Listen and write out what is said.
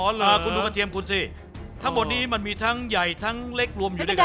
อ๋อเหรออ่าคุณดูกระเทียมคุณสิถ้าบทนี้มันมีทั้งใหญ่ทั้งเล็กรวมอยู่ด้วยกันนะฮะ